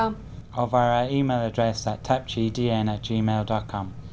hoặc email tạp chí dn gmail com